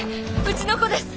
うちの子です。